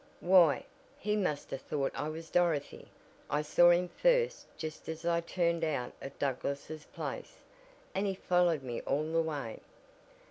"Why, he must have thought I was Dorothy. I saw him first just as I turned out of the Douglass' place, and he followed me all the way.